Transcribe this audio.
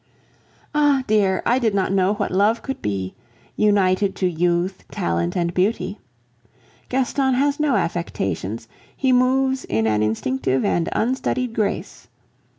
Ah! dear, I did not know what love could be, united to youth, talent, and beauty. Gaston has no affectations, he moves with an instinctive and unstudied grace.